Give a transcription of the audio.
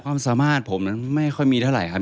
ความสามารถผมนั้นไม่ค่อยมีเท่าไหร่ครับ